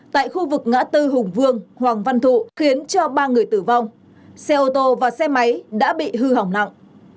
tại khu vực ngã tư hùng vương hoàng văn thụ khiến cho ba người tử vong xe ô tô và xe máy đã bị hư hỏng nặng